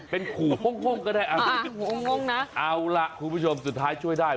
เป็นขู่ห้องก็ได้เอาล่ะคุณผู้ชมสุดท้ายช่วยได้